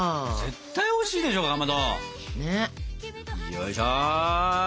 よいしょ。